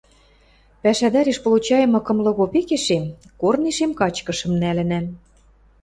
Пӓшӓ тӓреш получайымы кымлы копекешем корнешем качкышым нӓлӹнӓм.